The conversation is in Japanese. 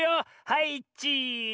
はいチーズって。